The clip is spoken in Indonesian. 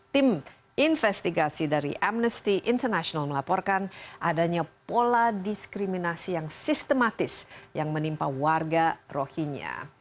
tim investigasi dari amnesty international melaporkan adanya pola diskriminasi yang sistematis yang menimpa warga rohingya